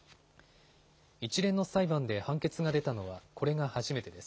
一連の裁判で判決が出たのは、これが初めてです。